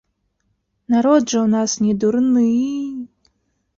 Народ жа ў нас не дурны.